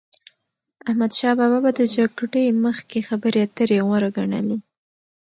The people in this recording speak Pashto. احمدشا بابا به د جګړی مخکي خبري اتري غوره ګڼلې.